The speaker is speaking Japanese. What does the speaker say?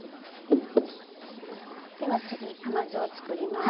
では次甘酢を作ります。